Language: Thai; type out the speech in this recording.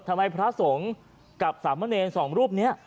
ทำไมพระสงฆ์กับสามารเนณสองรูปนี้